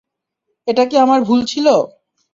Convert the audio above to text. এটা কি আমার ভুল ছিল?